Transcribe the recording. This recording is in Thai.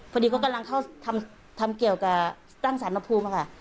พอดีเขากำลังเข้าทำเกี่ยวกับสร้างสารพระภูมิค่ะ